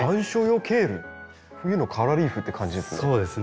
冬のカラーリーフっていう感じですね。